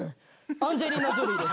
アンジェリーナ・ジョリーです。